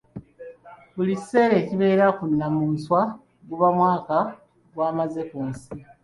Buli kiseera ekibeera ku nnamunswa guba mwaka gw'amaze ku nsi.